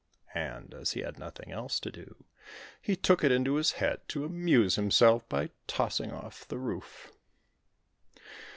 And, as he had nothing else to do, he took it into his head to amuse himself by tossing off the roof.